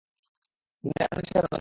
দুনিয়ায় অনেক সেরা গোয়েন্দা আছে!